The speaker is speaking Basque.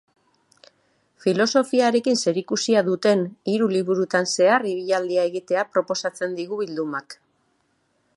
Filosofiarekin zerikusia duten hiru liburutan zehar ibilaldia egitea proposatzen digu bildumak.